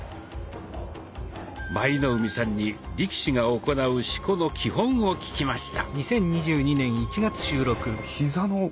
舞の海さんに力士が行う四股の基本を聞きました。